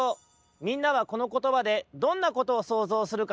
みんなはこのことばでどんなことをそうぞうするかな？